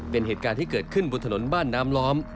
เป็นเหตุการณ์ที่เกิดขึ้นบนถนนบ้านน้ำล้อม